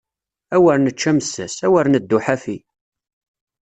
Awer nečč amessas, awer neddu ḥafi!